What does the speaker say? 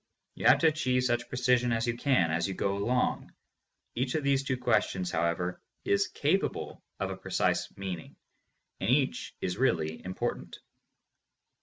You have to achieve such precision as you can, as you go along. Each of these two questions, however, is capable of a precise meaning, and each is really important.